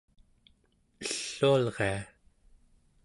ellualria